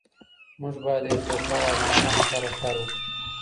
موږ باید د یو سوکاله افغانستان لپاره کار وکړو.